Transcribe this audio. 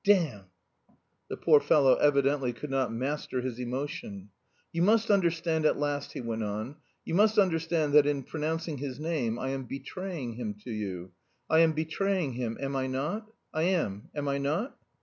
damn..." The poor fellow evidently could not master his emotion. "You must understand at last," he went on, "you must understand that in pronouncing his name I am betraying him to you I am betraying him, am I not? I am, am I not?"